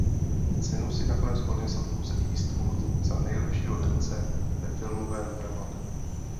Cenu si nakonec odnesl pouze Eastwood za nejlepšího herce ve filmovém dramatu.